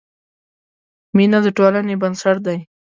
مینه د ټولنې بنسټ دی.